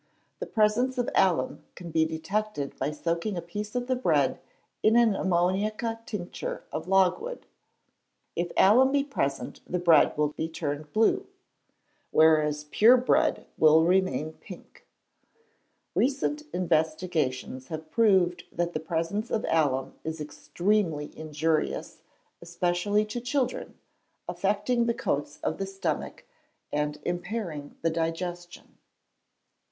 The presence of alum can be detected by soaking a piece of the bread in an ammoniaca tincture of logwood. If alum be present the bread will be turned blue, whereas pure bread will remain pink. Recent investigations have proved that the presence of alum is extremely injurious, especially to children, affecting the coats of the stomach and impairing the digestion.